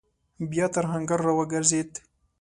بيا تر آهنګر راوګرځېد.